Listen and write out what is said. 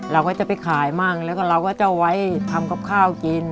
เราก็จะไปขายมั่งแล้วก็เราก็จะเอาไว้ทำกับข้าวกิน